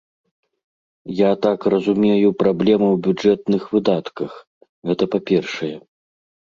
Я так разумею, праблема ў бюджэтных выдатках, гэта па-першае.